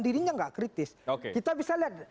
dirinya nggak kritis oke kita bisa lihat